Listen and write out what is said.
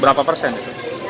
berapa persen itu